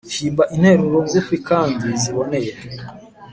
Himba interuro ngufi kandi ziboneye